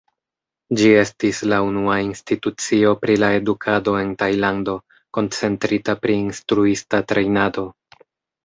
Ĝi estis la unua institucio pri la edukado en Tajlando, koncentrita pri instruista trejnado.